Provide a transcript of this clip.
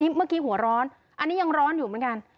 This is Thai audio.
เมื่อกี้หัวร้อนอันนี้ยังร้อนอยู่เหมือนกัน